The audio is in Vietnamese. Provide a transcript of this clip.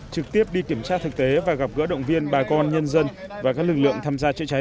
trực tiếp đi kiểm tra thực tế và gặp gỡ động viên bà con nhân dân và các lực lượng tham gia chữa cháy